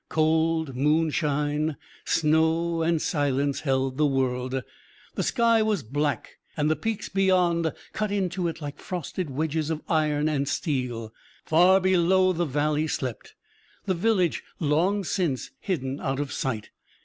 Cold moonshine, snow, and silence held the world. The sky was black, and the peaks beyond cut into it like frosted wedges of iron and steel. Far below the valley slept, the village long since hidden out of sight.